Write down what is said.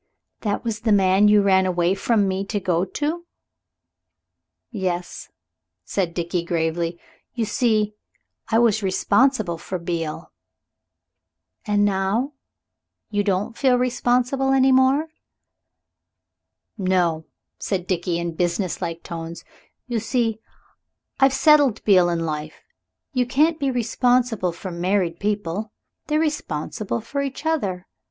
"That was the man you ran away from me to go to?" "Yes," said Dickie gravely; "you see, I was responsible for Beale." "And now? Don't you feel responsible any more?" "No," said Dickie, in businesslike tones; "you see, I've settled Beale in life. You can't be responsible for married people. They're responsible for each other.